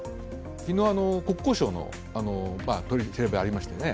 昨日、国交省の取り調べがありましたね。